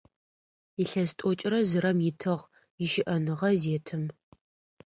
Илъэс тӏокӏрэ зырэм итыгъ ищыӏэныгъэ зетым.